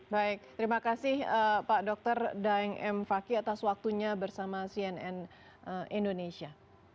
baik terima kasih pak dr daeng m fakih atas waktunya bersama cnn indonesia